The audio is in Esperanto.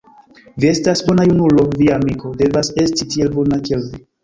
Vi estas bona junulo; via amiko devas esti tiel bona, kiel vi.